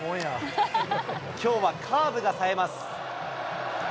きょうはカーブがさえます。